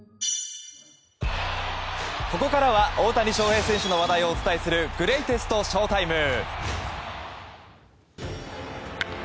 ここからは大谷翔平選手の話題をお伝えするグレイテストＳＨＯ‐ＴＩＭＥ。